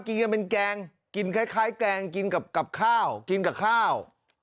กินกันเป็นแกงกินคล้ายแกงกับข้าว